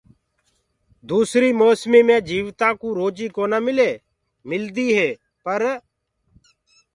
دوسريٚ موسميٚ مي جيوتآنٚ ڪو روجيٚ ڪونآ ملي ملدي هي پر